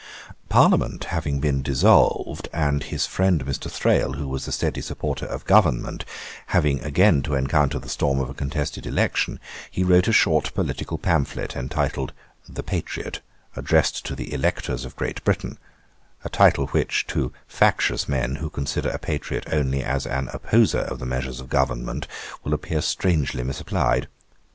Parliament having been dissolved, and his friend Mr. Thrale, who was a steady supporter of government, having again to encounter the storm of a contested election, he wrote a short political pamphlet, entitled The Patriot, addressed to the electors of Great Britain; a title which, to factious men, who consider a patriot only as an opposer of the measures of government, will appear strangely misapplied.